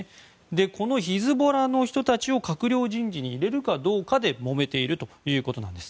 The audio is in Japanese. このヒズボラの人たちを閣僚人事に入れるかどうかでもめているということなんです。